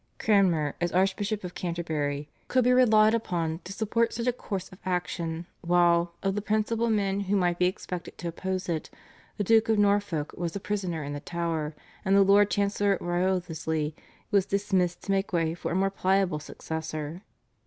Cranmer as Archbishop of Canterbury could be relied upon to support such a course of action, while, of the principal men who might be expected to oppose it, the Duke of Norfolk was a prisoner in the Tower and the Lord Chancellor Wriothesley was dismissed to make way for a more pliable successor.